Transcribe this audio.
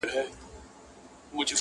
خیالي ځوانان راباندي مري خونکاره سومه!